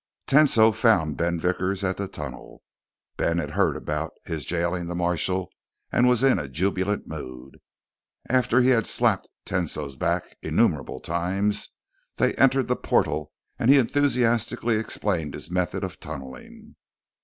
Tesno found Ben Vickers at the tunnel. Ben had heard about his jailing the marshal and was in a jubilant mood. After he had slapped Tesno's back innumerable times, they entered the portal and he enthusiastically explained his method of tunneling.